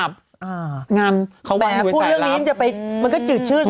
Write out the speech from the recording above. สวัสดีค่ะข้าวใส่ไข่สดใหม่เยอะสวัสดีค่ะ